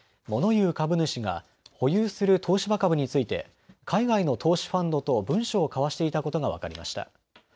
モノ言う株主が保有する東芝株について海外の投資ファンドと文書を交わしていたことが分かりました。